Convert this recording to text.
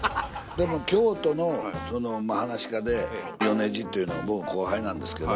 でも京都の噺家で米二っていうのが僕の後輩なんですけど。